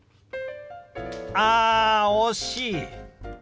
あ惜しい！